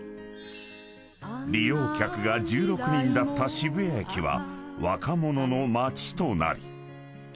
［利用客が１６人だった渋谷駅は若者の街となり］